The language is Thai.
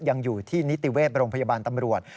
ยังอยู่ที่นิติเวชโรงพยาบาลตำรวจ